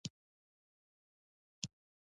سندره د شاعر خیال ته وزر ورکوي